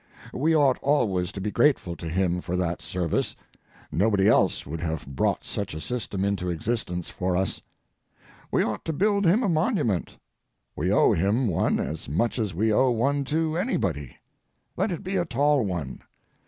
We ought always to be grateful to him for that service. Nobody else would have brought such a system into existence for us. We ought to build him a monument. We owe him one as much as we owe one to anybody. Let it be a tall one.